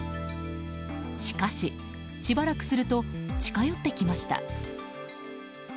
しかし、しばらくすると近寄ってきました。